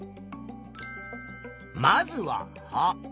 まずは葉。